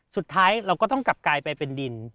สุดท้ายเราก็ต้องกลับกลายไปเป็นดิน